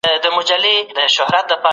د ګوندونو انګېزه باید ملي وي.